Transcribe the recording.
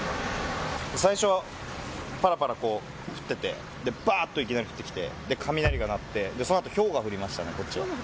最初ぱらぱら降ってて、ばーっといきなり降ってきて雷が鳴ってそのあとひょうが降りました。